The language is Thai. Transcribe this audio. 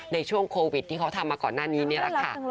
ในช่วงโควิดที่เขาทำมาก่อนหน้านี้นี่แหละค่ะ